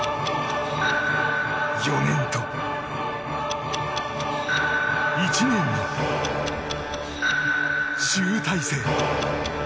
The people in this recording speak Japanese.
４年と、１年の、集大成。